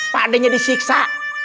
pak de nya disiksa